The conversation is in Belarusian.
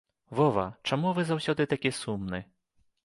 Вова, чаму вы заўсёды такі сумны?